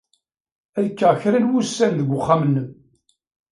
Ad kkeɣ kra n wussan deg uxxam-nnem.